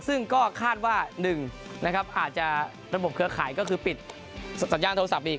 ซึ่งก็คาดว่า๑นะครับอาจจะระบบเครือข่ายก็คือปิดสัญญาณโทรศัพท์อีก